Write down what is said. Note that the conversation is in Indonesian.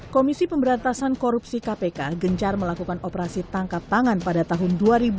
komisi pemberantasan korupsi kpk gencar melakukan operasi tangkap tangan pada tahun dua ribu dua puluh